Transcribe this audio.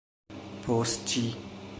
پستچی